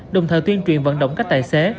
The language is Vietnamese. đồng thời tuyên truyền vận động các tài xế